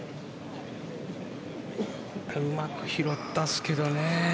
うまく拾ったんですけどね。